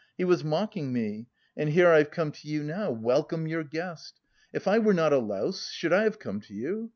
He was mocking me and here I've come to you now! Welcome your guest! If I were not a louse, should I have come to you?